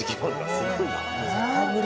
すごいな。